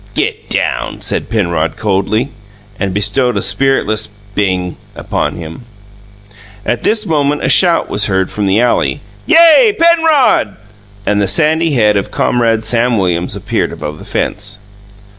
"Get down!" said Penrod coldly, and bestowed a spiritless "Bing!" upon him. At this moment a shout was heard from the alley, "Yay, Penrod!" and the sandy head of comrade Sam Williams appeared above the fence.